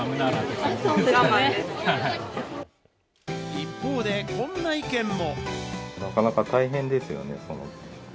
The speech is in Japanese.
一方でこんな意見も。